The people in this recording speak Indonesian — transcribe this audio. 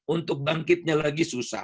untuk bangkitnya lagi susah